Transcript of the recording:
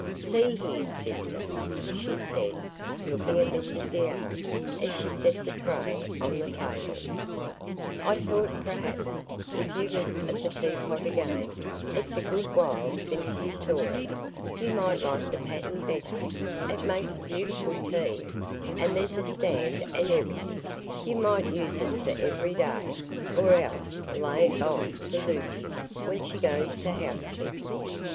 "See here, sister," she said, looking at Mrs Deane, as she set the tray on the table, "I thought, perhaps, if you looked at the teapot again,—it's a good while since you saw it,—you might like the pattern better; it makes beautiful tea, and there's a stand and everything; you might use it for every day, or else lay it by for Lucy when she goes to housekeeping.